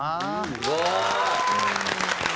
すごい！